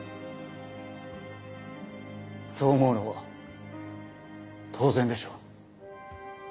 そう思うのも当然でしょう。